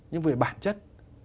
của doanh nghiệp